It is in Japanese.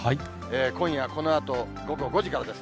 今夜このあと午後５時からです。